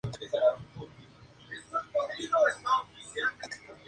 Sus cuentos abordan diversos temas, incluidas las costumbres de la región cafetera.